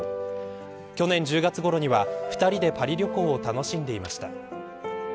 去年１０月ころには２人でパリ旅行を楽しんでいました。